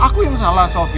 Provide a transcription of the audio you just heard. aku yang salah sofi